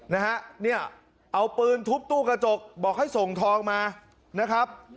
นะฮะเนี่ยเอาปืนทุบตู้กระจกบอกให้ส่งทองมานะครับ